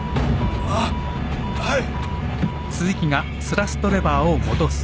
ああはい。